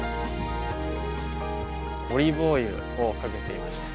オリーブオイルをかけていました。